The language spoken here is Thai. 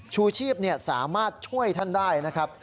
ชูชีพสามารถช่วยท่านได้นะครับ